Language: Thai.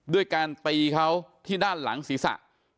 ด้วยการตีเขาที่ด้านหลังศีรษะ